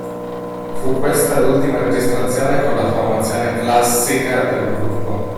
Fu questa l'ultima registrazione con la formazione "classica" del gruppo.